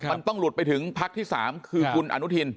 มันต้องหลุดไปถึงพักที่๓คือคุณอนุทิน